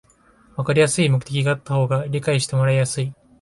わかりやすい目的があった方が理解してもらいやすい